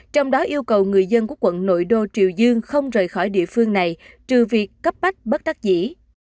trong đó yêu cầu người dân của quận nội đô triều dương không rời khỏi địa phương này trừ việc cấp bách bất đắc dĩ